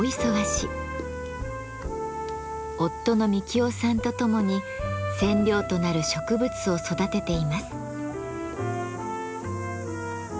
夫の美樹雄さんとともに染料となる植物を育てています。